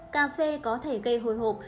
cà phê có thể gây hồi hộp